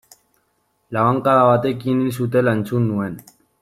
Labankada batekin hil zutela entzun nuen.